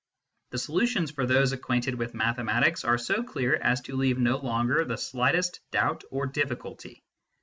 The solutions, for those ac quainted with mathematics, are so clear as to leave no longer the slightest doubt or difficulty.